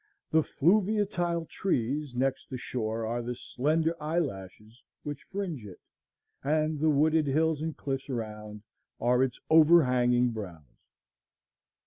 The fluviatile trees next the shore are the slender eyelashes which fringe it, and the wooded hills and cliffs around are its overhanging brows.